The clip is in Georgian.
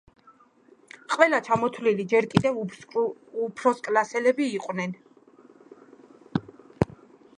ყველა ჩამოთვლილი ჯერ კიდევ უფროსკლასელები იყვნენ.